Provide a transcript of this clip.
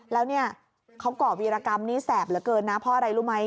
แล้วเนี่ยเขาก่อวีรกรรมนี้แสบเหลือเกินนะเพราะอะไรรู้ไหม